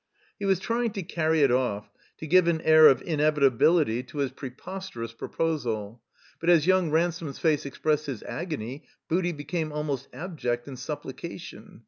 He was trying to carry it oflf, to give an air of in evitability to his preposterous proposal. But as yoimg Ransome's face expressed his agony. Booty became almost abject in supplication.